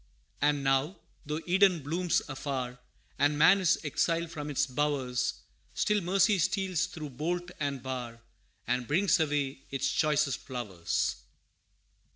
And now, though Eden blooms afar, And man is exiled from its bowers, Still mercy steals through bolt and bar, And brings away its choicest flowers.